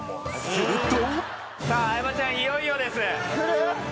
［すると］